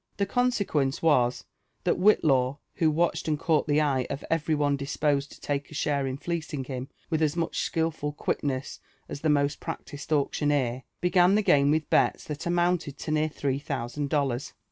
The consequence was, thai Whillaw, who watched and caught Ihe eye of every one disposed to take a share in fleecing him with as much skilful quickness as the most practised auctioneer, began Ihe game with bets that amounted to near three thousand dollars.